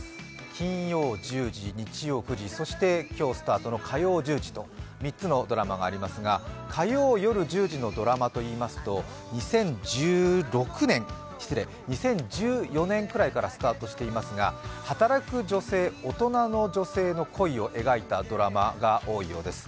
金曜１０時、日曜９時、そして今日、スタートの火曜１０時と３つのドラマがありますが火曜夜１０時のドラマといいますと２０１６年失礼、２０１４年ぐらいからスタートしていますが働く女性、大人の女性の恋を描いたドラマが多いようです。